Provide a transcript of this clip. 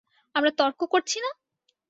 আমরা তর্ক করছি না?